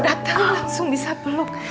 dateng langsung bisa beluk